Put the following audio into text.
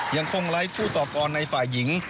ยังคงไร้ผู้ต่อกรในฝ่ายหญิง